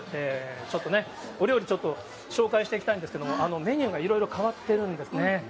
ちょっとね、お料理ちょっと、紹介していきたいんですけども、メニューがいろいろ変わってるんですね。